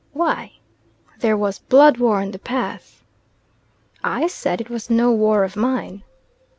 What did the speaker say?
"Why?" "There was blood war on the path." I said it was no war of mine.